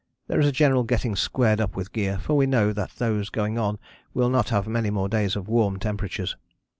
There is a general getting squared up with gear, for we know that those going on will not have many more days of warm temperatures.